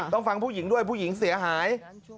ต้องฟังผู้หญิงด้วยผู้หญิงเสียหาย